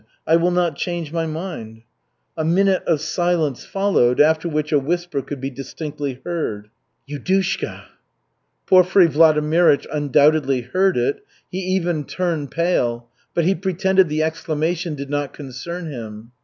I will not change my mind." A minute of silence followed, after which a whisper could be distinctly heard. "Yudushka!" Porfiry Vladimirych undoubtedly heard it, he even turned pale, but he pretended the exclamation did not concern him.